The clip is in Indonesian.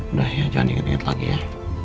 udah ya jangan inget inget lagi ya